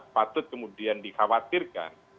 patut kemudian dikhawatirkan